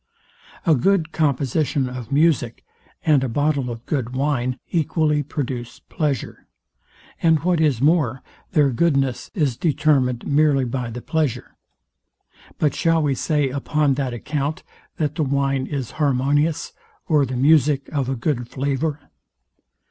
A good composition of music and a bottle of good wine equally produce pleasure; and what is more, their goodness is determined merely by the pleasure. But shall we say upon that account, that the wine is harmonious, or the music of a good flavour?